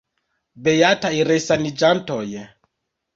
Beataj resaniĝantoj.